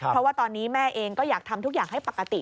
เพราะว่าตอนนี้แม่เองก็อยากทำทุกอย่างให้ปกติ